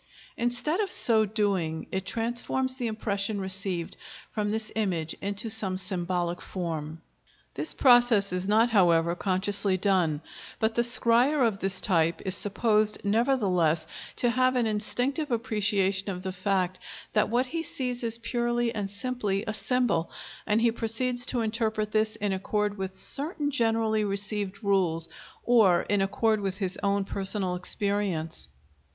Instead of so doing it transforms the impression received from this image into some symbolic form. This process is not, however, consciously done, but the scryer of this type is supposed nevertheless to have an instinctive appreciation of the fact that what he sees is purely and simply a symbol, and he proceeds to interpret this in accord with certain generally received rules, or in accord with his own personal experience.